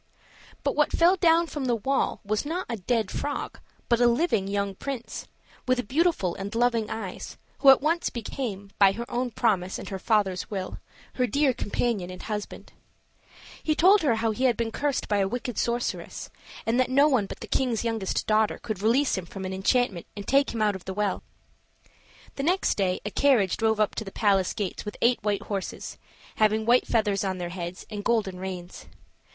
But what fell down from the wall was not a dead frog, but a living young prince, with beautiful and loving eyes, who at once became, by her own promise and her father's will, her dear companion and husband. He told her how he had been cursed by a wicked sorceress, and that no one but the king's youngest daughter could release him from his enchantment and take him out of the well. The next day a carriage drove up to the palace gates with eight white horses, having white feathers on their heads and golden reins.